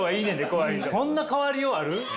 こんな変わりようある？